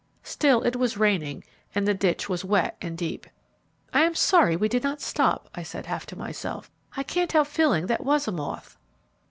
Still, it was raining, and the ditch was wet and deep. "I am sorry we did not stop," I said, half to myself, "I can't help feeling that was a moth."